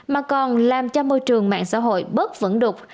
mà còn làm cho môi trường mạng xã hội bớt vẫn đục